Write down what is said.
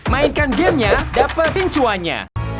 mainkan gamenya dapetin cuanya